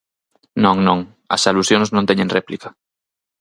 Non, non, as alusións non teñen réplica.